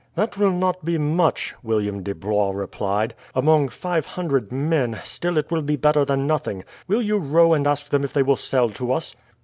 "That will not be much," William de Blois replied, "among five hundred men, still it will be better than nothing. Will you row and ask them if they will sell to us?"